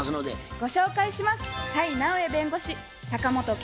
ご紹介します。